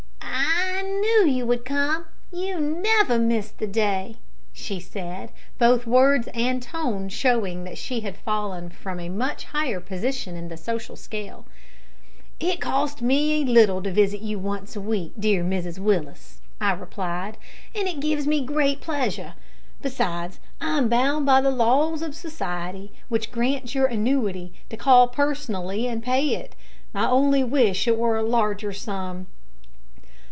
"I knew you would come. You never miss the day," she said, both words and tone showing that she had fallen from a much higher position in the social scale. "It costs me little to visit you once a week, dear Mrs Willis," I replied, "and it gives me great pleasure; besides, I am bound by the laws of the Society which grants your annuity to call personally and pay it. I only wish it were a larger sum."